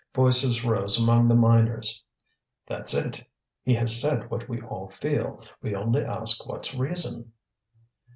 Voices rose among the miners. "That's it he has said what we all feel we only ask what's reason."